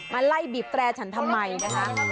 ไล่บีบแตรฉันทำไมนะคะ